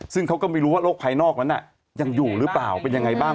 ซึ่งเขาก็ไม่รู้ว่าโลกภายนอกนั้นยังอยู่หรือเปล่าเป็นยังไงบ้าง